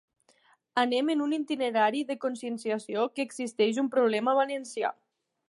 Anem en un itinerari de conscienciació que existeix un problema valencià.